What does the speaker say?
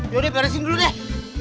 yaudah beresin dulu deh